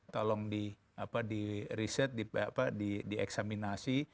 tolong di reset di eksaminasi